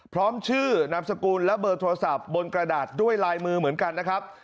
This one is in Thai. พร้อมชื่อนามสกุลและเบอร์โทรศัพท์บนกระดาษด้วยลายมือเหมือนกันนะครับ